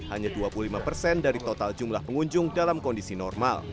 hanya dua puluh lima persen dari total jumlah pengunjung dalam kondisi normal